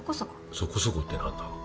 そこそこってなんだ。